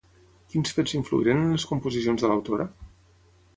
Quins fets influïren en les composicions de l'autora?